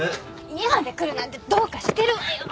家まで来るなんてどうかしてるわよ。